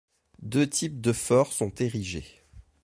Deux types de forts sont érigés.